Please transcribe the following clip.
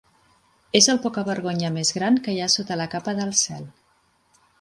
És el pocavergonya més gran que hi ha sota la capa del cel.